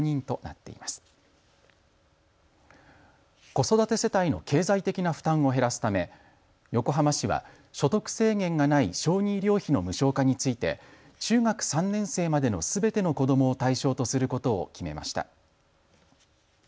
子育て世帯の経済的な負担を減らすため横浜市は所得制限がない小児医療費の無償化について中学３年生までのすべての子どもを対象とすることを決めました。